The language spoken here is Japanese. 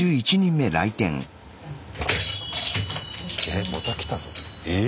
えまた来たぞ。え？